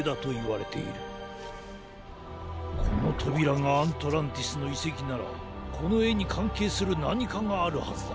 このとびらがアントランティスのいせきならこのえにかんけいするなにかがあるはずだ。